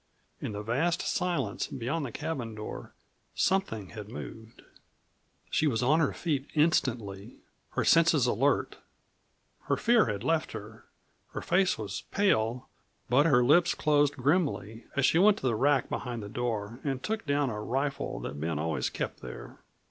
In the vast silence beyond the cabin door something had moved. She was on her feet instantly, her senses alert. Her fear had left her. Her face was pale, but her lips closed grimly as she went to the rack behind the door and took down a rifle that Ben always kept there.